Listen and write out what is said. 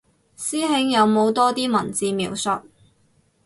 師兄有冇多啲文字描述